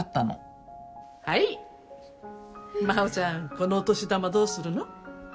このお年玉どうするの？